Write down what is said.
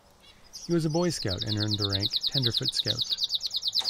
He was a Boy Scout and earned the rank of Tenderfoot Scout.